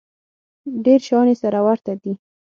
ډېر شیان یې سره ورته دي.